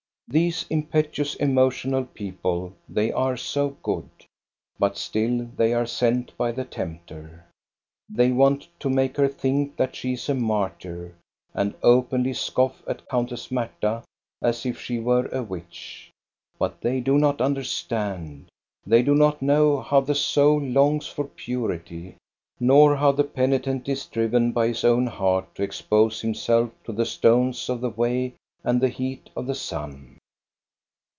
These impetuous, emotional people, they are so good ; but still they are sent by the tempter. They want to make her think that she is a martyr, and openly scoff at Countess Marta as if she were a witch. But they do not understand. They do not know how the soul longs for purity, nor how the peni tent is driven by his own heart to expose himself to the stones of the way and the heat of the sun.